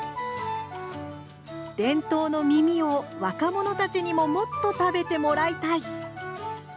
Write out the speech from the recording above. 伝統のみみを、若者たちにももっと食べてもらいたい。